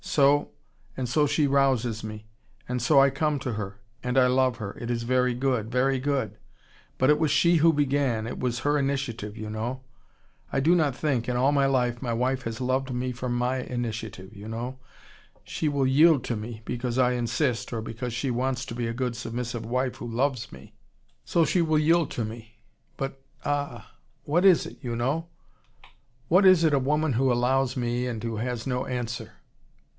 So, and so she rouses me and so I come to her. And I love her, it is very good, very good. But it was she who began, it was her initiative, you know. I do not think, in all my life, my wife has loved me from my initiative, you know. She will yield to me because I insist, or because she wants to be a good submissive wife who loves me. So she will yield to me. But ah, what is it, you know? What is it a woman who allows me, and who has no answer?